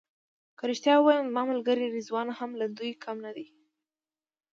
که رښتیا ووایم زما ملګری رضوان هم له دوی کم نه دی.